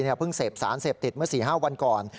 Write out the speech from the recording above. เพิ่งเสพสารเสพติดเมื่อ๔๕วันก่อน